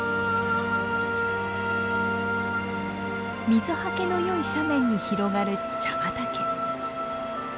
水はけのよい斜面に広がる茶畑。